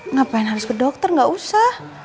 ngapain harus ke dokter gak usah